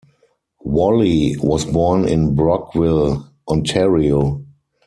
Whalley was born in Brockville, Ontario.